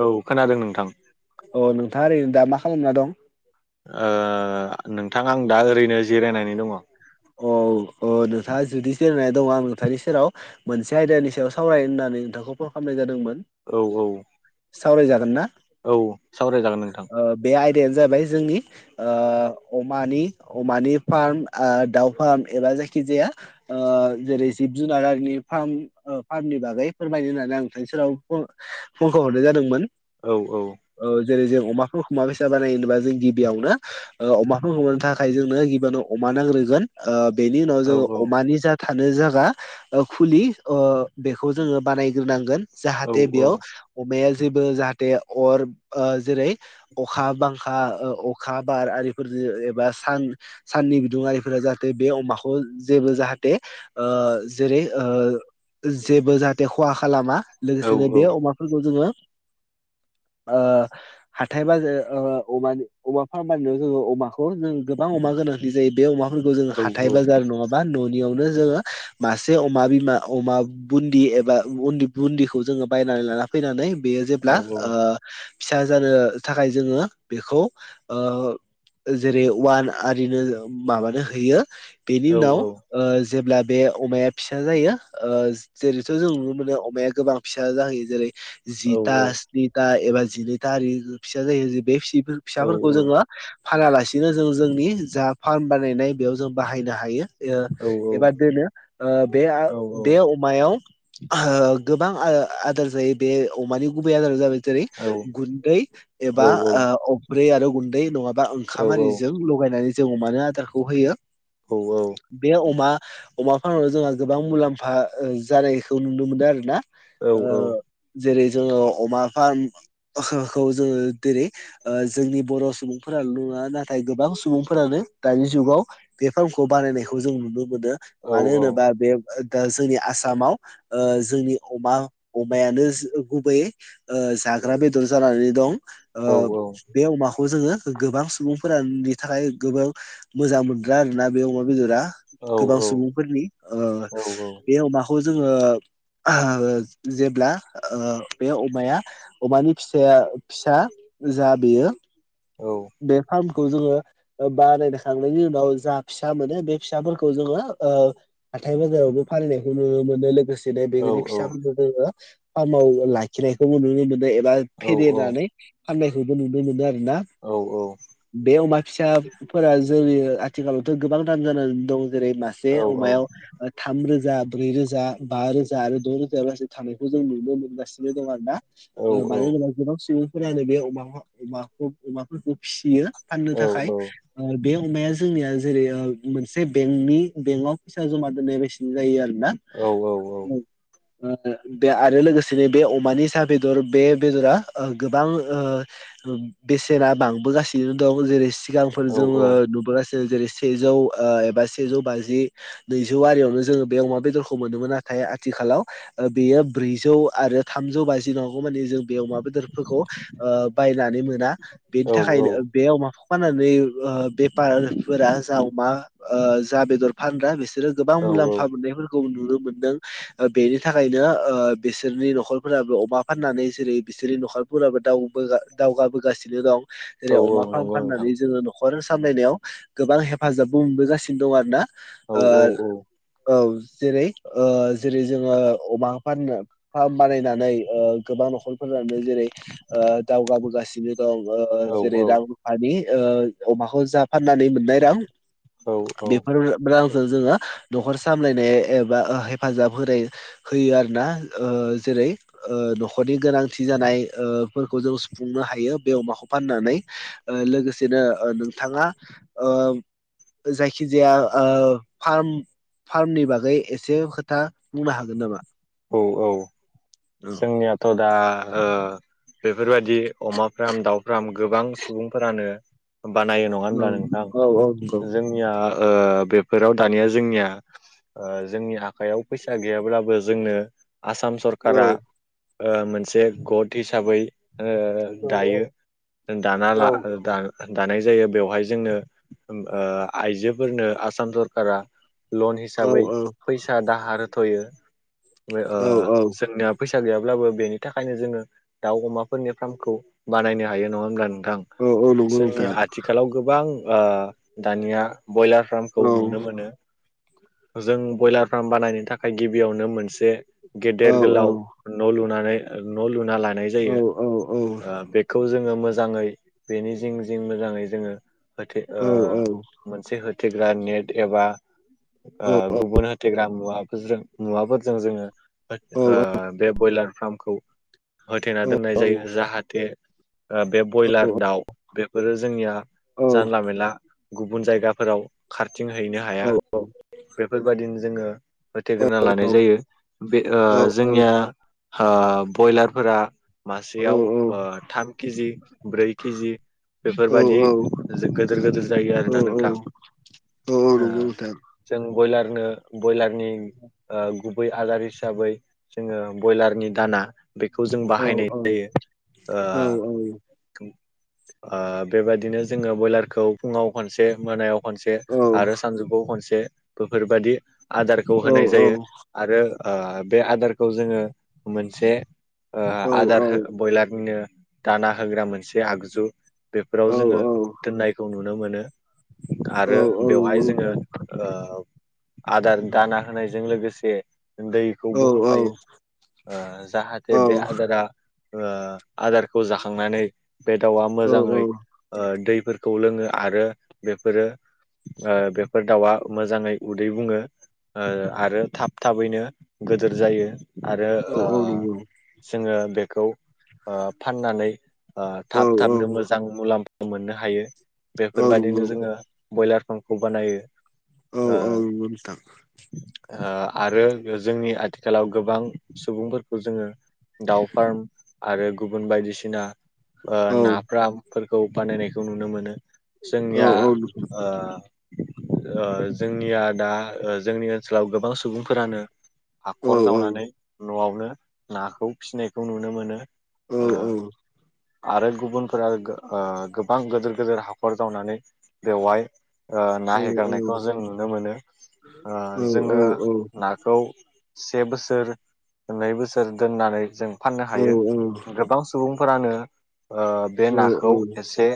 औ खोनादों नोंथां। थाङा ओरैनो दा मा खालामना दं? ओ नोंथां आं दा ओरैनो जिरायनानै दङ। अ अ नोंथाङा जुदि जिरायनाय दङ आं नोंथांनि सेराव मोनसे आयदानि सायाव सावराय होननानै नोंथांखौ फन खालामनाय जादोंमोन। औ औ। सावरायजागोन ना ओ बे आयदायानो जाबाय जोंनि ओ अमानि अमानि फार्म आ दाउ फार्म एबा जायखिजाया ओ जेरै जिब जुनार आरिनि फार्म ओ फार्म नि बागै फोरमायनो होन्नानै आं नोंथांनि सेराव फ फनखौ हरनाय जादोंमोन। औ औ। ओ जेरै जों अमाखौ खुमा बैसा बानायो होनोबा जोंनो गिबियावनो ओ अमाखौ होबोनो थाखाय जोंनो गिबिआवनो अमा नांग्रोन ओ बेनि उनाव जोङो अमानि जा थानो जागा ओ खुलि ओ बेखौ जोङो बानायग्रोनांगोन। जाहाथे बियाव अमाया जेबो जाहाथे अर ओ जेरै अखा बांखा ओ अखा बार आरिफोर एबा सान साननि बिदुंरारिफोरा जाहाथे बे अमाखौ जेबो जाहाथे ओ जेरै ओ जेबो जाहाथे खहा खालामा लोगोसेनो बे अमाफोरखौ जोङो ओ हाथाय बाज अमानि अमा फार्म बनायाव जोङो अमाखौ जों गोबां अमा गोनांथि जायो बे अमाफोरखौ जोंङो हाथाय बााजार नङाबा न'नियावनो जोङो मासे अमा बिमा अमा बुन्दि एबादि बुन्दिखौ जोङो बायनानै लाना फैनानै बेयो जेब्ला ओ फिसा जानो थाखाय जोङो बेखौ ओ जेरै वान आरिनो माबानो हैयो बेनि उनाव जेब्ला बे अमाया फिसा जायो जेरैथ' जों नुनो मोनो अमाया गोबां फिसा जाहैयो जेरै जिथा स्निथा एबा जिनैथा आरि फिसा जायो जे बे फिसाफोरखौ जोङो फानालासिनो जों जोंनि जा फार्म बानायनाय बेयाव जों बाहायनो हायो ओ एबा दोनो बे बे अमायाव गोबां आदार जायो बे अमानि गुबै आदारा जाबाय जेरै गुन्दै एबा ओ अब्रै आरो गुन्दै नङाब बा ओंखाम आरिजों लगायनानै जों अ मानो आदारखौ होयो बे अमा अमा फारनायाव जोंहा गोबां मुलाम्फा जानायखौ नुनो मोनदों आरो ना औ औ जेरै जोङो अमा फार्म जोङो देरै जोंनि बर' सुबुंफोराल' न'ङा नाथाय गोबां सुबुं फोरानो दानि जुगाव बेफार्मखौ बानायनायखौ जों नुनो मोनो मानो होनोबा बे दा जोंनि आसामाव ओ जोंनि अमा अमायानो गुबैयै ओ जाग्रा बेदर जानानै दं ओ बे अमाखौ जोङो गोबां सुबुंफोरनि थाखाय गोबां मोजां मोनद्रा आरोना बे अमा बेदरा गोबां सुबुंफोरनि बे अमाखौ जोङो जेब्ला ओ बे अमाया अमानि फिसाया फिसा जा बेयो बे फार्मखौ जोङो बानायनोखांनायनि उनाव जा फिसा मोनो बे फिसाफोरखौ जोङो हाथथाय बाजारावबो फ [unintelligible] दिनै बे फिसाफोरखौ जोङो फार्माव लाखिनायखौ नुनो मोनो बा फेदेरनानै फाननायखौबो नुनो मोनो आरो ना बे अमा फिसा फोरा जों आथिखालावथ' गोबां दाम जानानै दं जेरै मासे अमायाव थाम रोजा रोजा ब्रै रोजा बा रोजा आरो द' रोजायावलासै थानायखौ जों नुनो मोनगासिनो दं आरोना मानो होनोबा गोबां सुबुंफोरानो बे अमा अमाखौ अमाफोरखौ फिसियो फाननो थाखाय ओ बे अमाया जोंनिया जेरै मोनसे बेंकनि बेंकव फैसा जमा दोननाय बायसि जायो आरो औ औ औ ओ बे आरो लोगोसेनो बे अमानि स बेदर बे बेदरा ओ गोबां ओ बेसेना बांबोगासिनो दं जेरै सिगां फोर जोङो नुबोगासिनो जेरै सेजौ एबा सेजौ बाजि नैजौ आरियावनो जोङो बे अमा बेदरखौ मोनोमोन नाथाय आथिखालाव बेयो ब्रैजौ आरो थामजौ बाजिनाव जों बे अमा बेदरफोरखौ ओ बायनानै मोना औ बेनि थाखायनो बे अमा फाननानै ओ बेफारफोरा जा ओ अमा जा बेदर फानग्रा बिसोर बिसोरो गोबां औ मुलाम्फा मोन्नायफोरखौ नुनो मोनदों बेनि थाखायनो ओ बिसोरनि न'खरफोराबो अमा फाननानै जेरै बिसोरनि न'खर फोराबो दावगाबोगासिनो दं औ जेरै औ अमा फारम नंगौ नोंथां फाननानै जोङो हखरां सामलायनायाव गोबां हेफाजाबबो मोनबोगासिनो दं आरो ना औ ओ औ औ औ जेरै ओ जेरै जोङो अबां फननो फार्म बानायनानै ओ‌गोबां न'खरफोरानो जेरै ओ‌ दावगाबोगासिनो दं। ओ औ जेरै राम रुफानि ओ अमाखौ जा फाननानै मोननाय रां औ बेफोर रां जो जोङो न'खर सामलायनाय एबा हेफाजाब होनाय होयो आरोना ओ जे जेरै ओ न'खरनि गोनांथि जानायफोरखौ ओ‌जों सुफुंनो हायो बे अमाखौ फाननानै। ओ लोगोसेनो ओ‌ नोंथाङा ओ जायखिजाया ओ फार्म फार्मनि बागै एसे खोथा बुंनो हागोन नामा? औ औ औ जोंनियाथ' दा ओ बेफोरबायदि अमा फ्राम दाउ फ्राम गोबां सुबुंफोरानो बानायो नङा होनबब्ला नोंथां औ औ नंगौ जोंनिया ओ बेफोराव दानिया जोंनिया ओ जोंनि आखायाव फैसा गैयाब्लाबो जोंनो आसाम औ सरकारा ओ मोनसे गड हिसाबै ओ औ दायो दाना औ ला दा दानाय जायो बेवहाय जोंनो ओ आइजोफोरनो आसाम सरखारा लन हिसाबै औ फैसा दाहार होथ'यो बे ओ औ जोंनि फै फैसा गैयाब्लाबो बेनि थाखायनो जोङो दाउ अमाफोरनि फ्रामखौ बानायनो हायो नङा होनब्लाङ नों थां औ औ नंगौ जोंनि नोंथां आथिखालाव गोबां ओ दानिया ब्रयलार फार्मखौ औ नुनो मोनो जों ब्रयलार फार्म बानायनो थाखाय गिबियावनो मोनसे औ गेदेर गोलाव न' लुनानै न' लुना ला नाय औ जायो औ ओ बेखौ जोङो मोजाङै बेनि जिं जिं मोजाङै जोङो होथे ओ औ औ मोनसे होथेग्रा नेट एबा ओ औ गुबुन होथेग्रा मुवाफोरजों मुवाफोरजों जोङो औ बे ब्रयलार फार्मखौ होथेना दोननाय जायो जाहाथे ओ बे बयलार दाउ बेफोरो जोंनिया जानला मेनला गुबुन जायगा फोराव खारथिं हैनो हाया बेफोरबादिनो जोङो होथेग्रोना लानाय जायो। बे ओ जोंनिया ओ बयलारफोरा औ मासेयाव ओ थाम किजि ब्रै किजि औ बेफोरबादि जोग गोदोर गोदोर जायो आरोना औ नोंथां नंगौ ओ नोंथां जों ब्रयलारनो ब्रयलारनि ओ गु बै आदार हिसाबै जोङो ब्रयलारनि दाना बेखौ जों औ बाहायनाय औ जायो। ओ औ ओ बेबायदिनो जोङो ब्रयलारखौ फुङाव खनसे मोनायाव खनसे औ आरो नंगौ सानजौफुआव खन मोनसे बोफोरबादि आदारखौ औ होनाय जायो। आरो ओ बे आदारखौ जोङो मोनसे ओ आदार हो ब्रयलारनिनो दाना होग्रा मोनसे आगजु बेफोराव औ जोङो औ दोननायखौ नुनो मोनो। आरो नंगौ बेवहाय जोङो नोंथां ओ आदार दाना होनायजों लोगोसे औ दैखौबो औ होफायो। ओ औ औ जाहाथे औ बे आदारा ओ आदारखौ जाखांनानै बे दाउआ औ मोजाङै। आरो बेफोरो दैफोरखौ लोङो आरो बेफोरो ओ बेफोर दाउआ मोजाङै उदै बुङो ओ आरो थाब थाबैनो गोदोर जायो आरो ओ जोङो बेखौ ओ फाननानै ओ थाब थाबनो मोजां मुलाम्फा मोननो हायो बेफोरबादिनो जोङो बयलार फारमखौ बानायो। औ औ ओ नंगौ नोथां। ओ आरो जोंनि आथिखालाव गोबां सुबुंफोरखौ जोङो दाउ फार्म आरो गुबुन बायदिसिना ओ ना फ्राम फोरखौ बानायनायखौ नुनो मोनो जोंनिया ओ। ओ जोंनिया दा ओ जोंनि ओनसोलाव गोबां सुबुंफोरानो। हाखर जावनानै न'आवनो नाखौ फिसिनायखौ नुनो मोनो। ओ। आरो गुबुनफोरा ओ गोबां गोदोर गोदोर हाखर जावनानै। बेवहाय ओ ना हेगारनायखौ जों नुनो मोनो जोङो। नाखौ से बोसोर नै बोसोर दोननानै जों। फाननो हायो गोबां सुबुंफोरानो। ओ बे नाखौ एसे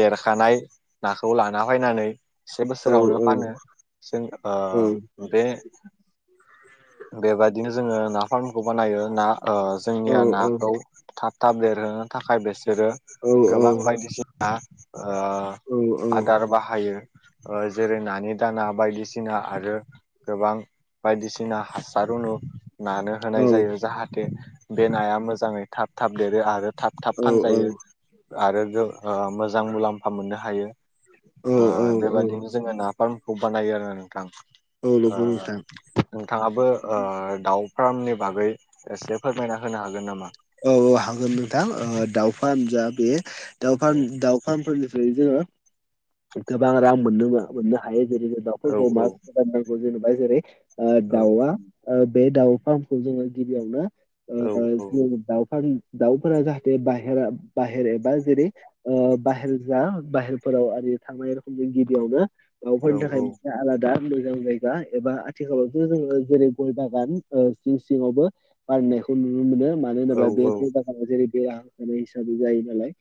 देरखानाय नाखौ लाना फायनानै। से बोसोरावनो फानो जों ओ बे। बेबादिनो जोङो ना फार्मखौ बानायो ना। ओ जोंनिया नाखौ थाब थाब देरहोनो थाखाय बेसे। सोरो औ औ गोबां औ बायदिसिना ओ। औ आदार बाहायो ओ जेरै नानि दाना बायदिसिना आरो। गोबां बायदिसि। बायदिना हासार अनु नानो औ होनाय जायो जाहाथे बे नाया मोजाङै थाब। थाब देरो आरो थाब थाब औ फानजायो आरो ओ मोजां मुलाम्फा मोननो हायो। औ ओ बेबादिनो जोङो नाफाम्खौ बानायो आरो नोंथां। औ नंगौ ओ नोथां। नोंथाङाबो ओ दाउ फार्मनि बागै एसे फोरमायना होनो हागोन नामा? औ औ हागोन नोंथां दउ औ फार्म दाउ फार्मफोरनिफ्राय जोङो गोबां रां मोननो मोननो हायो। जेरै औ दाउफोरखौ मानांगौ जेनेबा जेरै ओ औ दाउआ। ओ बे दाउ फार्मखौ जोङो गिबियावनो। औ ओ औ। जों दाउ फार्म दाउफोरा जाहाथे बेहेरा बाहेर एबा जेरै ओ बाहेरजा बाहेर। फोराव आरो थांनाय रखमजों गिबियावनो औ गावफोरनि थाखाय मोनसे आलादा मोजां जायगा एबा आथिखालावथ' जोङो जेरै गय बागान सिं सिङावबो बारनो म दे मानो औ होनोबा औ बे बागाना जेरै बेरानाय हिसाबै जायो नालाय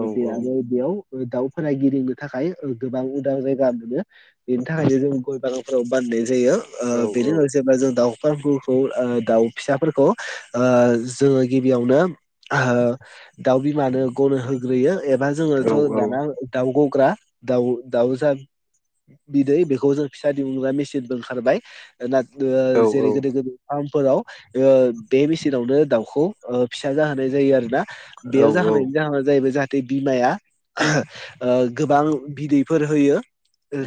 औ बेानो बेयाव। दाउफोरा गिदिंनो थाखाय गोबां उदां जायगा मोनो बेनि थाखायनो जों गय बागानफोराव ब द जायो औ बेनि उ जेब्ला जों दाउ फखौ दाउ फिसाफोरखौ। जोङो गिबियावनो दाउ बिमानो गनो होग्रोयो एबा औ जोङोथ' दाना दाउ गग्रा दाउ दाउसा बिदै बेखौसो दानि उनुगा मेसिनबो ओंखारबाय औ जेरै औ गोदो गोदो फार्मफोराव बे मेसिनावनो दाउखौ फिसा जाहोनाय जायो आरो ना बेयाव जाहोनायनि जाहोना जाहैबाय जाह बे बिमाया गोबां बिदैफोर होयो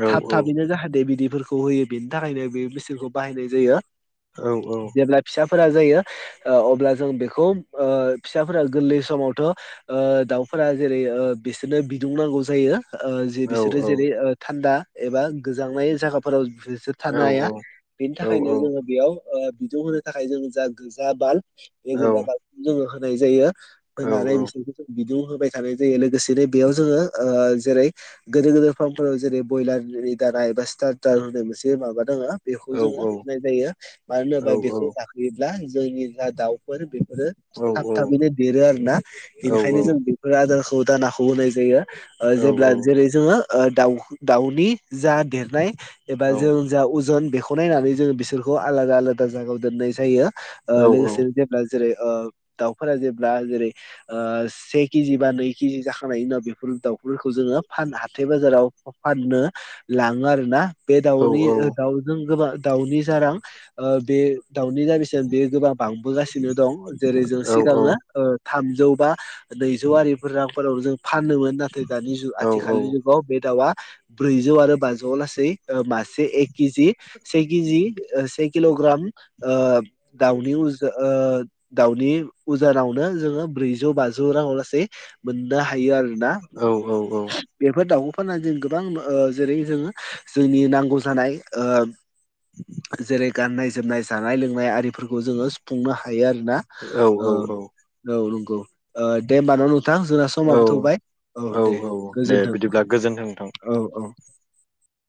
थाब थाबैनो जाहाथे बिदैफोरखौ होयो बेनि थाखायनो बे मेचनखौ बाहायनाय जायो। जेब्ला फिसाफोरा जायो ओ अब्ला जों बेखौ फिसाफोरा गोरलै समावथ' दाउफोरा जेरै बिसोरनो। बिदुंनांगौ जायो जे बिसोरो जेरै थान्दा एबा गोजांनाय जायगाफोराव बिसोर थानो हाया बेनि थाखायनो जोङो बेयाव बिदुं होनो थाखाय जोंङ जा गोजा बाल बे गोजा बालखौ जोङो होनाय जायो म आ बिसोर गद लोगोसेनो बेयाव जोङो जेरै गेदेर गदेर फार्माव जेरै बलार बा सारार होननाय मोनसे माबा दङ। बेखौ जोङो होननाय जायो मानो होनोब्ला बेखौ गाखोयोब्ला जोंनि जा दाउ। बेफोरो थाब थाबैनो देरो आरो ना बेनिखायनो जों बेफोर आदारखौ दानाखौ होनाय जायो। ओ जेब्ला जेरै जोङो दाउ दाउनि जा देरनाय एबा जों जा अजन बेखौ नायनानै जों बिसोरखौ आलादा आलादा जायगायाव दोननाय जायो ओ लोगोसेनो जेब्ला जेरै ओ दाउफोरा जेब्ला जेरै ओ से केजि बा नै केजि जाखांनायनि उनाव बेफोर दाउफोरखौ जोङो फान हाथाय बाजाराव फाननो लाङो आरो ना बे दाउनि दाउजों गोबां दाउनि जारां बे दाउनि दामसिन बेयो गोबां बांबोगासिनो दं जेरै जों सिगाङो थामजौ बा नैजौ आरिफोर रांफोराव जों फानोमोन नाथाय दानि जुग आथिखालनि जुगाव बे दाउआ ब्रैजौ आरो बाजौ लासै मासे एक केजि से केजि से किल' ग्राम ओ दाउनि उजा ओ दाउनि उजानावनो जोङो ब्रैजौ बाजौ रां लासै मोननो हायो आरो ना बेफोर दाउ फाननानै जों गोबां जेरै जोङो जोंनि नांगौ जानाय ओ जेरै गाननाय जोमनाय जानाय लोंनाय आरिफोरखौ फुंनो हायो आरो ना औ नंगौ दे होमबा न नों नोंथां जोंना समाबो थौबाय औ दे गोजोन्थों औ औ